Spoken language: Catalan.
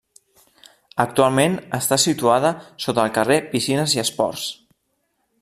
Actualment està situada sota el carrer Piscines i Esports.